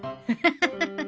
ハハハハ。